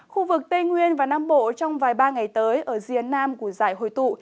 khu vực tây nguyên và nam bộ trong vài ba ngày tới ở riêng nam của dải hồi tụ